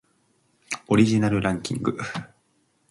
オリジナルランキング